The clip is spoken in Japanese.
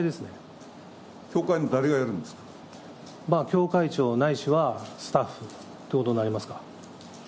教会長ないしはスタッフということになりますか。